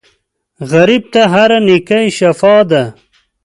غریب ته هره نېکۍ شفاء ده